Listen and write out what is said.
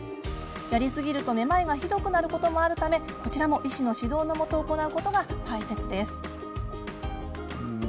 やり過ぎるとめまいがひどくなることもあるためこちらも医師の指導のもと行うことが大切です。